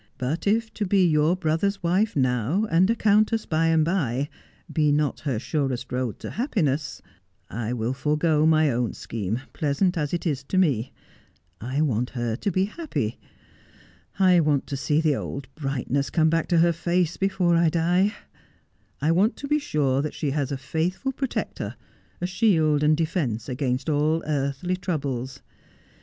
But if to be your brother's wife now, and a countess by and by, be not her surest road to happiness, I will forego my own scheme, pleasant as it is to me. I want her to be happy. I want to see the old brightness come back to her face before I die. I want to be sure that she has a faithful pro tector, a shield and defence against all earthly troubles.